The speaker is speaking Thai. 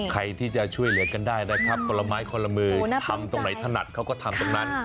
ใครที่จะช่วยเหลือกันได้นะครับคนละไม้คนละมือทำตรงไหนถนัดเขาก็ทำตรงนั้น